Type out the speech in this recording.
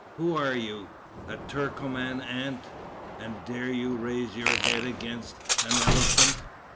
Who are you? A Turkoman ant. And dare you raise your head against an elephant?